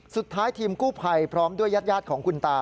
สุดท้ายทีมกู้ภัยพร้อมด้วยญาติของคุณตา